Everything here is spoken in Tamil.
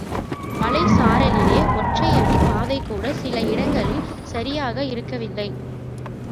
மலைச்சாரலிலே ஒற்றையடிப் பாதைகூட சில இடங்களில் சரியாக இருக்கவில்லை.